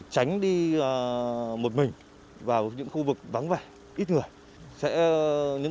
tránh đi một mình vào những khu vực vắng vẻ ít người sẽ